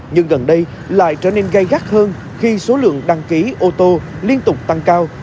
nhưng gần đây lại trở nên gây gắt hơn khi số lượng đăng ký ô tô liên tục tăng cao